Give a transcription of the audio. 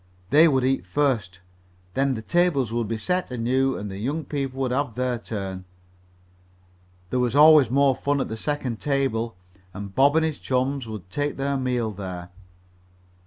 They would eat first, then the tables would be set anew and the young people would have their turn. There was always more fun at the second table, and Bob and his chums would take their meals there.